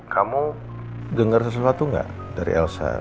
kamu dengar sesuatu nggak dari elsa